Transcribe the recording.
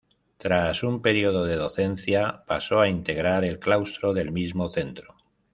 Tras un período de docencia, pasó a integrar el claustro del mismo centro.